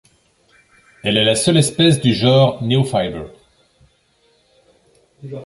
Elle est la seule espèce du genre Neofiber.